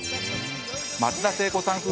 松田聖子さん風